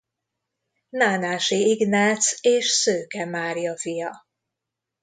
Nánási Ignác és Szőke Mária fia.